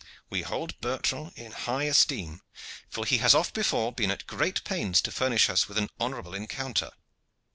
We hold Bertrand in high esteem, for he has oft before been at great pains to furnish us with an honorable encounter.